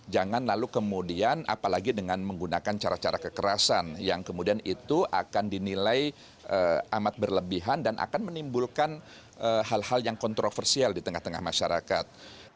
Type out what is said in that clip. jangan lalu kemudian apalagi dengan menggunakan cara cara kekerasan yang kemudian itu akan dinilai amat berlebihan dan akan menimbulkan hal hal yang kontroversial di tengah tengah masyarakat